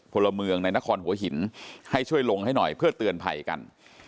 พลเมืองในนครหัวหินให้ช่วยลงให้หน่อยเพื่อเตือนภัยกัน